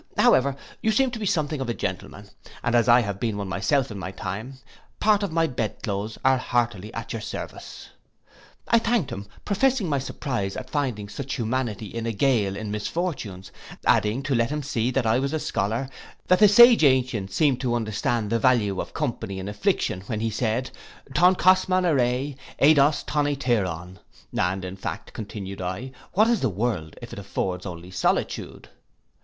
However you seem to be something of a gentleman, and as I have been one myself in my time, part of my bed cloaths are heartily at your service.' I thanked him, professing my surprize at finding such humanity in a gaol in misfortunes; adding, to let him see that I was a scholar, 'That the sage ancient seemed to understand the value of company in affliction, when he said, Ton kosman aire, ei dos ton etairon; and in fact,' continued I, 'what is the World if it affords only solitude?